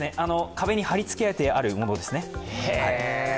壁に貼り付けられてあるものですね。